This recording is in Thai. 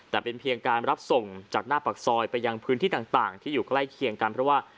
แต่เป็นเพียงการรับส่งจากหน้าปากซอยไปยังพื้นที่ต่างที่อยู่ใกล้เคียงกันเพราะว่า